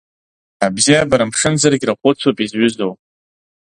Абзиабара мшынзаргь рахәыцуп изҩызоу.